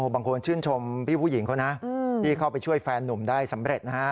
บางคนชื่นชมพี่ผู้หญิงเขานะที่เข้าไปช่วยแฟนนุ่มได้สำเร็จนะฮะ